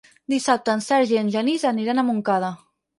Dissabte en Sergi i en Genís aniran a Montcada.